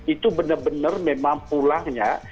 itu benar benar memang pulangnya